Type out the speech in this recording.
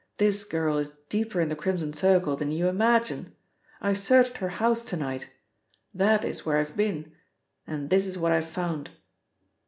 This girl is deeper in the Crimson Circle than you imagine. I searched her house to night that is where I've been, and this is what I found."